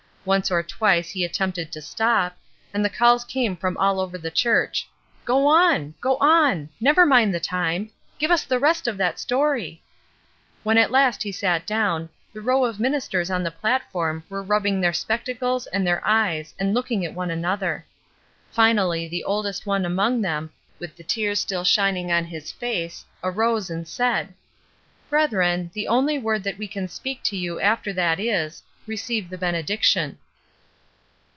Once or twice he at tempted to stop, and the calls came from all over the church. ^^ Go on!'' ''Go on!'' "Never mind the time!" ''Give us the rest of that story!" When at last he sat down, the row of ministers on the platform were rubbing their spectacles and their eyes and looking at one another. Finally the oldest one among them with the tears still shining on his face arose and said: — "Brethren, the only word that we can speak to you after that is, Receive the benediction."